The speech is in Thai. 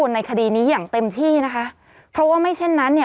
ในคดีนี้อย่างเต็มที่นะคะเพราะว่าไม่เช่นนั้นเนี่ย